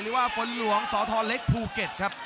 หรือว่าฝนหลวงสทเล็กภูเก็ตครับ